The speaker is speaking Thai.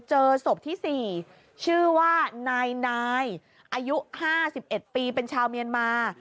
เจอศพที่๔ชื่อว่านายอายุ๕๑ปีเป็นชาวเมียนมา